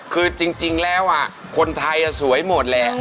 คือจริงแล้วคนไทยสวยหมดแหละ